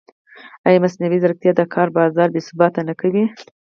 ایا مصنوعي ځیرکتیا د کار بازار بېثباته نه کوي؟